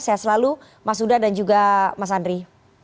sehat selalu mas huda dan juga mas andri